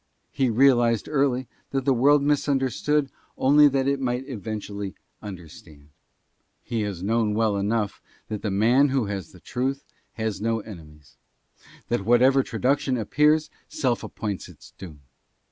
He realized early that the world misunderstood only that it might eventually understand. He has known well enough that the man who has the truth has no enemies — that whatever traduction appears self appoints its doom.